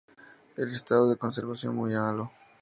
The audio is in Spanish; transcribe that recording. El estado de conservación muy malo.